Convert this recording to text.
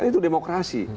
kan itu demokrasi